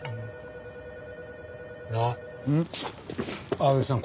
青柳さん